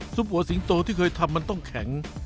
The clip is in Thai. ปัวสิงโตที่เคยทำมันต้องแข็ง